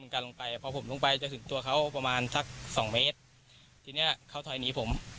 กันลงไปพอผมลงไปจะถึงตัวเขาประมาณสักสองเมตรทีเนี้ยเขาถอยหนีผม